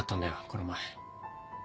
この前。